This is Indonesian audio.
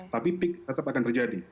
tapi peak tetap akan terjadi